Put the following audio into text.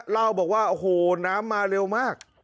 เล่าบอกว่าโอ้โหน้ำมาเร็วมาก